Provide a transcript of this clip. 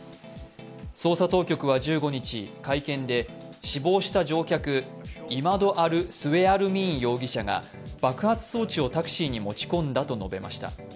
捜査当局は１５日会見で、死亡した乗客、イマド・アル・スウェアルミーン容疑者が爆発装置をタクシーに持ち込んだと述べました。